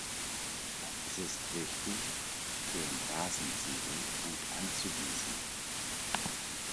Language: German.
Es ist wichtig, den Rasenziegel gut anzugießen.